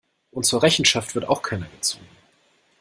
Und zur Rechenschaft wird auch keiner gezogen.